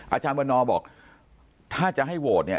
อาจารย์วันนอบอกถ้าจะให้โหวตเนี่ย